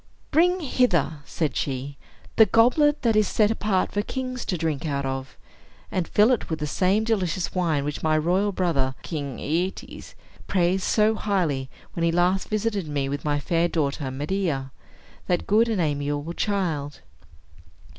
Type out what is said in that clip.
"Bring hither," said she, "the goblet that is set apart for kings to drink out of. And fill it with the same delicious wine which my royal brother, King Aetes, praised so highly, when he last visited me with my fair daughter Medea. That good and amiable child!